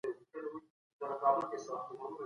د تحقیق او پرمختګ په هڅو کي پانګه اچول اړین دي.